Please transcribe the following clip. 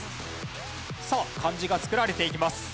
さあ漢字が作られていきます。